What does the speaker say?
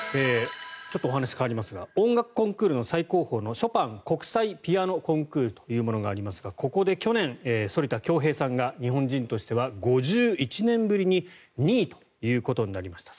ちょっとお話が変わりますが音楽コンクールの最高峰のショパン国際ピアノコンクールというものがありますがここで去年、反田恭平さんが日本人としては５１年ぶりに２位ということになりました。